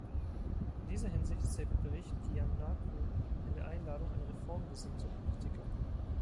In dieser Hinsicht ist der Bericht Giannakou eine Einladung an reformgesinnte Politiker.